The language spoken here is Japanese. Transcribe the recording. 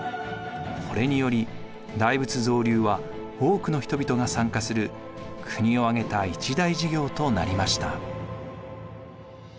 これにより大仏造立は多くの人々が参加する国を挙げた一大事業となりました。